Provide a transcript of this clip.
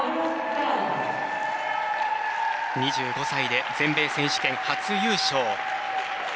２５歳で全米選手権初優勝。